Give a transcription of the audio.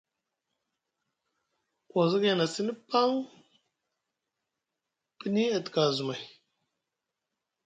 Wazagay na sini paŋ pini a tika azumay.